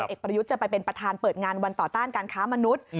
เอกประยุทธ์จะไปเป็นประธานเปิดงานวันต่อต้านการค้ามนุษย์